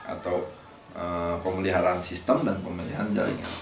atau pemeliharaan sistem dan pemeliharaan jaringan